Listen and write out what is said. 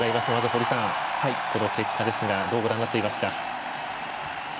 堀さん、この結果ですがどうご覧になっていますか。